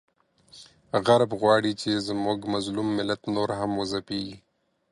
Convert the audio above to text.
غرب غواړي چې زموږ مظلوم ملت نور هم وځپیږي،